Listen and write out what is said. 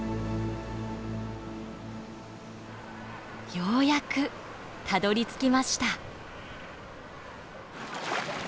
ようやくたどりつきました。